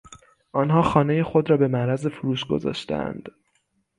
آنها خانهی خود را به معرض فروش گذاشتهاند.